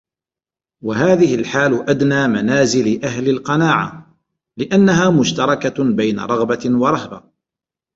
وَهَذِهِ الْحَالُ أَدْنَى مَنَازِلِ أَهْلِ الْقَنَاعَةِ ؛ لِأَنَّهَا مُشْتَرَكَةٌ بَيْنَ رَغْبَةٍ وَرَهْبَةٍ